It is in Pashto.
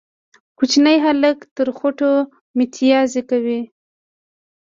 کوچنی هلک تر خوټه ميتيازې کوي